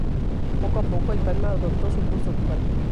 Poco a poco, el Padma adoptó su curso actual.